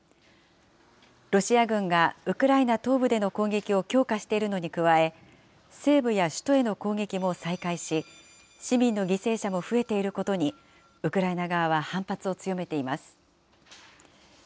ロシア軍がウクライナ東部での攻撃を強化しているのに加え、西部や首都への攻撃も再開し、市民の犠牲者も増えていることに、ウクライナ側は反発を強めています。